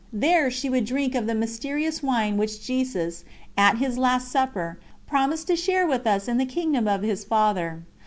There she would drink of the mysterious wine which Jesus, at His Last Supper, promised to share with us in the Kingdom of His Father.